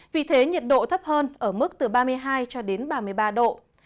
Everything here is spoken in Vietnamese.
vì thế nhiệt độ thấp hơn ở mức từ ba mươi hai cho đến ba mươi ba độ